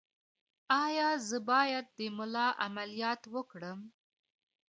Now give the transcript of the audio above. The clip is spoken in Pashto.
ایا زه باید د ملا عملیات وکړم؟